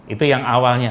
itu yang awalnya